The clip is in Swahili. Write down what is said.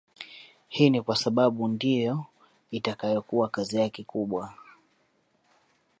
Hii ni kwa sababu ndiyo itakayokuwa kazi yake kubwa